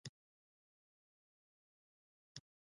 نخود او دال د سوریې په الاسود سیمه کې وموندل شول.